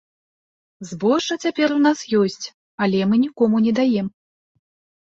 Збожжа цяпер у нас ёсць, але мы нікому не даем.